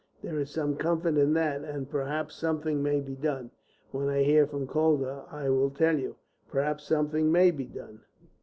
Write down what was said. There is some comfort in that, and perhaps something may be done. When I hear from Calder I will tell you. Perhaps something may be done."